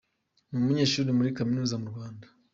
Ni umunyeshuri muri Kaminuza mu Rwanda.